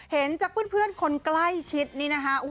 เห็นจากเพื่อนคนใกล้ชิดนี่นะคะ